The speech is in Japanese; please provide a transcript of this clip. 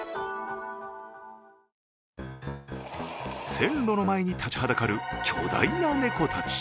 線路の前に立ちはだかる巨大な猫たち。